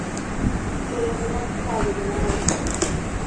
Бо яны падставілі народ.